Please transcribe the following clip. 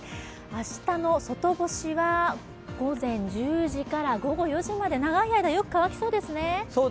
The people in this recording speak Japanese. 明日の外干しは、午前１０時から午後４時まで長い間よく乾きそうですね。